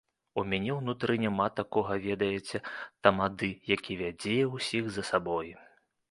У мяне ўнутры няма такога, ведаеце, тамады, які вядзе ўсіх за сабой!